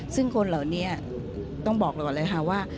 ซึ่งคนเหล่านี้ต้องบอกก่อนเลยค่ะว่า